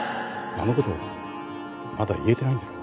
あの事まだ言えてないんだろ？